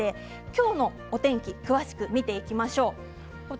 今日の天気詳しく見ていきましょう。